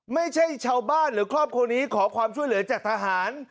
ไม่ใช่ชาวบ้านหรือครอบครัวนี้ขอความช่วยเหลือจากทหาร